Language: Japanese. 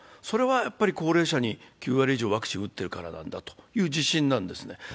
それは高齢者に９割以上ワクチンを売ってるからなんだという自信なんですね。